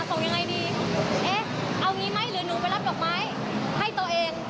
ส่งยังไงดีเอ๊ะเอางี้ไหมหรือหนูไปรับดอกไม้ให้ตัวเอง